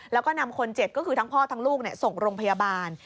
แล้วก็นำคนเจ็บก็คือทั้งพ่อทั้งลูกส่งโรงพยาบาล